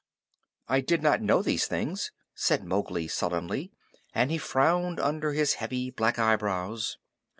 "I did not know these things," said Mowgli sullenly, and he frowned under his heavy black eyebrows.